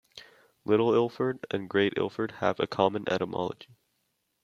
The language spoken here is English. Little Ilford and Great Ilford have a common etymology.